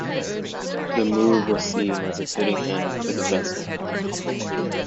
The move was seen as a fitting end for the vessel.